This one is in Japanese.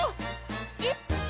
えっ？